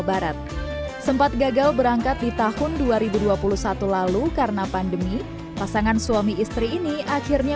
barat sempat gagal berangkat di tahun dua ribu dua puluh satu lalu karena pandemi pasangan suami istri ini akhirnya